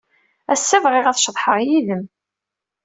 Ass-a, bɣiɣ ad ceḍḥeɣ yid-m.